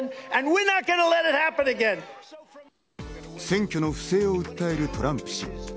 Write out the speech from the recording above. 選挙の不正を訴えるトランプ氏。